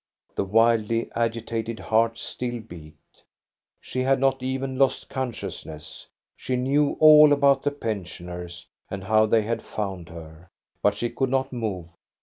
The wildly agitated heart still beat. She had not even lost consciousness ; she knew all about the pen sioners, and how they had found her, but she could not move.